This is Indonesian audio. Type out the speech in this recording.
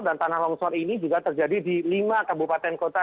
dan tanah longsor ini juga terjadi di lima kabupaten kota